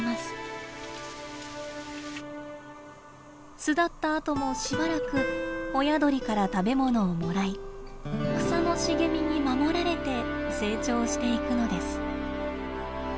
巣立ったあともしばらく親鳥から食べものをもらい草の茂みに守られて成長していくのです。